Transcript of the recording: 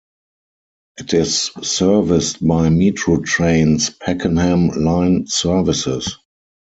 It is serviced by Metro Trains' Pakenham line services.